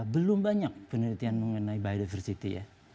belum banyak penelitian mengenai biodiversity ya